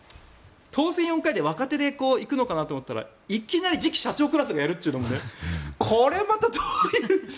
当選４回で若手で行くのかなと思ったらいきなり次期社長クラスがやるというのもねこれまたどういう。